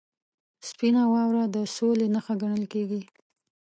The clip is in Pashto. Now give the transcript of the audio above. • سپینه واوره د سولې نښه ګڼل کېږي.